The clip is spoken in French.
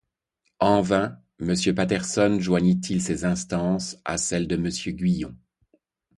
En vain, Monsieur Patterson joignit-il ses instances à celles de Monsieur Guillon.